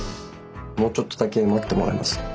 もうちょっとだけ待ってもらえます？